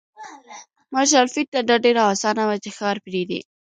مارشال فيلډ ته دا ډېره اسانه وه چې ښار پرېږدي.